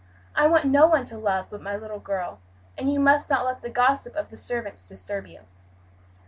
I want no one to love but my little girl; and you must not let the gossip of the servants disturb you."